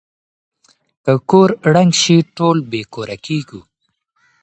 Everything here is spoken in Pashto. که کور ړنګ شي ټول بې کوره کيږو.